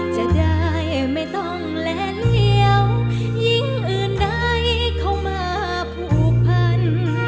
จะได้ไม่ต้องแลเหลี่ยวยิ่งอื่นใดเข้ามาผูกพัน